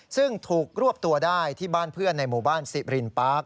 ซึ่งถูกรวบตัวได้ที่บ้านเพื่อนในหมู่บ้านสิรินปาร์ค